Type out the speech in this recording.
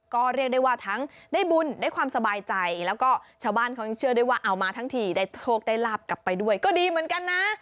ก็เรียกได้ว่าทั้งได้บุญได้ความสบายใจแล้วก็ชาวบ้านเขายังเชื่อได้ว่าเอามาทั้งทีได้โชคได้ลาบกลับไปด้วยก็ดีเหมือนกันนะ